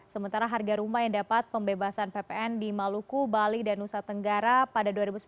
sementara harga rumah yang dapat pembebasan ppn di maluku bali dan nusa tenggara pada dua ribu sembilan belas